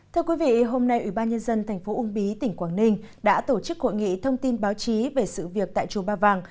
thưa quý vị hôm nay ủy ban nhân dân tp ung bí tỉnh quảng ninh đã tổ chức hội nghị thông tin báo chí về sự việc tại chùa ba vàng